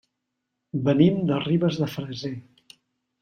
Venim de Ribes de Freser.